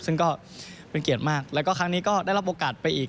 ซึ่งก็เป็นเกียรติมากแล้วก็ครั้งนี้ก็ได้รับโอกาสไปอีก